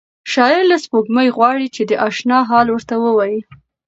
شاعر له سپوږمۍ غواړي چې د اشنا حال ورته ووایي.